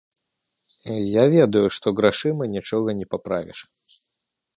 Я ведаю, што грашыма нічога не паправіш.